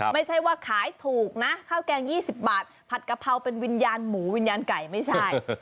ไม่ใช่ว่าขายถูกนะข้าวแกง๒๐บาทผัดกะเพราเป็นวิญญาณหมูวิญญาณไก่ไม่ใช่